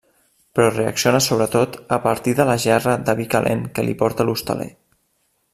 Però reacciona sobretot a partir de la gerra de vi calent que li porta l'hostaler.